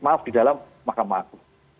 maaf di dalam makam agung